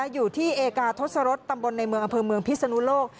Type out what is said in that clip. อยู่ที่เอกาทศรษตำบลในเมืองอำเภอเมืองพิศนุโลก